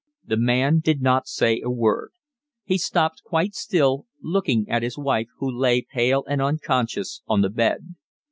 The man did not say a word; he stopped quite still, looking at his wife, who lay, pale and unconscious, on the bed.